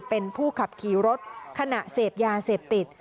เป็นผู้ขับขี่รถขณะเสพยาเสพติด